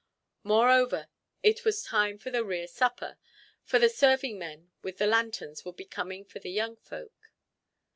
Moreover, it was time for the rere supper, for the serving men with the lanterns would be coming for the young folk.